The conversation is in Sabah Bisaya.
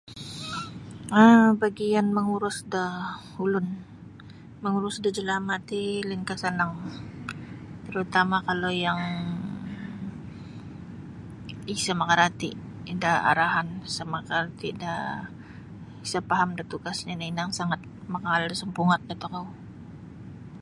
um bagian mangurus da ulun mangurus da jalama ti lainkah sanang tarutama kalau yang isa makarati da arahan sa makarati da sa faham da tugasnyo no ino yang sangat makaaal da sampungat da tokou.